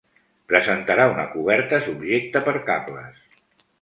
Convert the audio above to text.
Presentarà una coberta subjecta per cables.